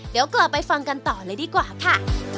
เดี๋ยวกลับไปฟังกันต่อเลยดีกว่าค่ะ